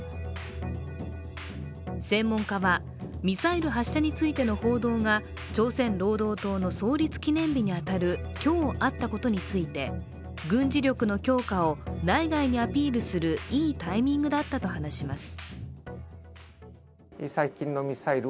専門家は、ミサイル発射についての報道が朝鮮労働党の創立記念日に当たる今日あったことについて、軍事力の強化を内外にアピールするいいタイミングだったと話します。